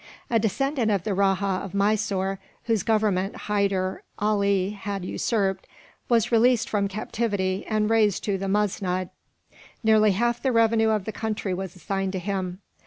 A descendant of the Rajah of Mysore, whose government Hyder Ali had usurped, was released from captivity and raised to the musnud. Nearly half the revenue of the country was assigned to him.